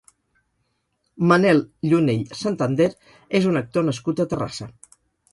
Manel Llunell Santander és un actor nascut a Terrassa.